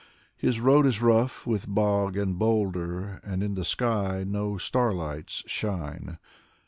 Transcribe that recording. His road is rough with bog and boulder, And in the sky no starlights shine.